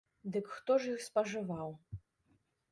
Дык хто ж іх спажываў?